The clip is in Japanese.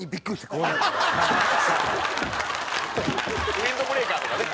ウィンドブレーカーとかね。